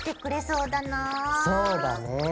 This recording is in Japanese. そうだね。